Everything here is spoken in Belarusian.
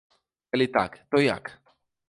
Калі так, то як?